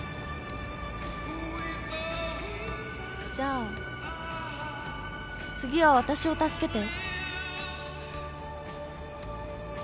じゃあ次はわたしを助けて。